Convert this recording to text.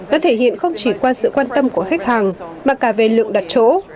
đã thể hiện không chỉ qua sự quan tâm của khách hàng mà cả về lượng đặt chỗ